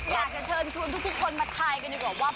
อยากจะเชิญคุณทุกคนมาทายกันดีกว่าว่า